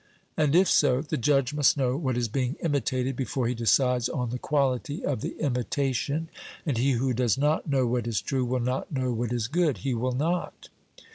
And if so, the judge must know what is being imitated before he decides on the quality of the imitation, and he who does not know what is true will not know what is good. 'He will not.'